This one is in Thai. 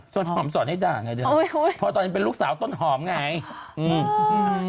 ต้นหอมสอนให้ด่าไงเธอโอ้ยโอ้ยพอตอนนี้เป็นลูกสาวต้นหอมไงอืม